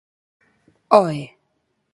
Oe.